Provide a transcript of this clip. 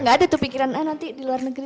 gak ada tuh pikiran ah nanti di luar negeri